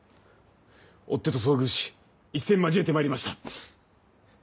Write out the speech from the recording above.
追っ手と遭遇し一戦交えてまいりました。